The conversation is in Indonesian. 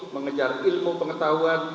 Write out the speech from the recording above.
mengejar ilmu pengetahuan